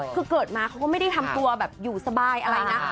คือเกิดมาเขาก็ไม่ได้ทำตัวแบบอยู่สบายอะไรนะ